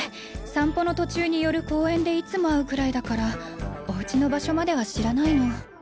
散歩の途中に寄る公園でいつも会うくらいだからおうちの場所までは知らないの。